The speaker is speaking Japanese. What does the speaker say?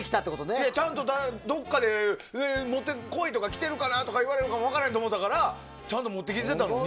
いや、ちゃんとどこかで、持って来いとか着てるかなとか言われるかも分からんと思ったからちゃんと着てきたのに。